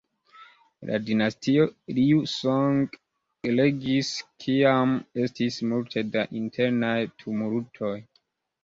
La dinastio Liu Song regis kiam estis multe da internaj tumultoj.